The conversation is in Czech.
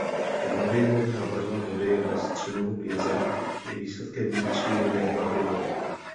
Tmavě modrá barva vody ve středu jezera je výsledkem vnitřní modré barvy vody.